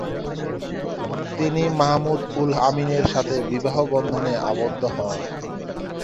তিনি মাহমুদ-উল-আমীনের সাথে বিবাহ বন্ধনে আবদ্ধ হন।